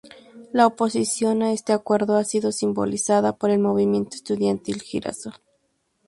La oposición a este acuerdo ha sido simbolizada por el movimiento estudiantil Girasol.